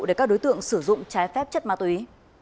để các đối tượng sử dụng trái phép chất ma túy